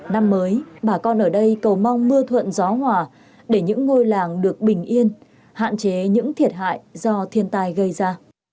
năm mới bà con ở đây cầu mong mưa thuận gió hòa để những ngôi làng được bình yên hạn chế những thiệt hại do thiên tai gây ra